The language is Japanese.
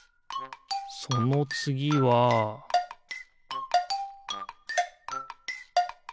そのつぎはピッ！